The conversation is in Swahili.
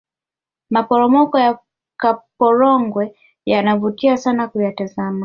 maporomoko yakaporogwe yanavutia sana kuyatazama